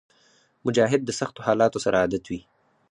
مجاهد د سختو حالاتو سره عادت وي.